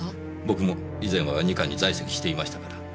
僕も以前は二課に在籍していましたから。